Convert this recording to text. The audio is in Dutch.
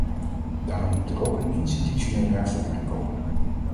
Daarom moet er ook een institutionele hervorming komen.